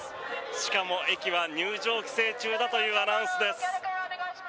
しかも、駅は入場規制中だというアナウンスです。